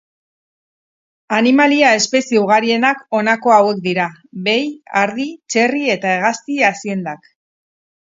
Animalia-espezie ugarienak honako hauek dira; behi-, ardi-, txerri- eta hegazti-aziendak.